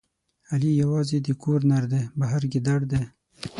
علي یوازې د کور نردی، بهر ګیدړ دی.